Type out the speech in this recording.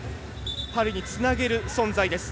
パリにつなげる存在です。